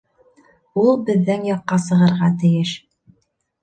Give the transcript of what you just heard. Ул беҙҙең яҡҡа сығырға тейеш.